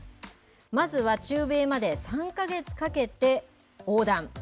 まずは中米まで３か月かけて横断。